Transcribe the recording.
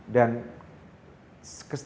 dan terlalu sering saya beli tiket